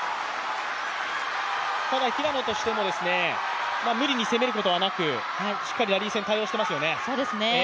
ただ平野としても無理に攻めることはなくしっかりラリー戦対応していますよね。